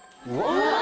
うわ！